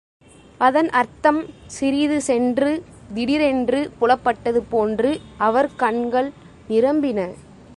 அதன் அர்த்தம் சிறிது சென்று திடீரென்று புலப்பட்டது போன்று அவர் கண்கள் நிரம்பின.